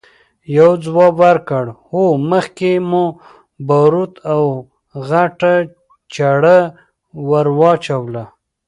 يوه ځواب ورکړ! هو، مخکې مو باروت او غټه چره ور واچوله!